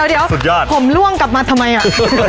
เดี๋ยวผมร่วงกลับมาทำไมอ่ะ